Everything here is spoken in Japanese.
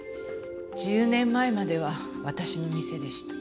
１０年前までは私の店でした。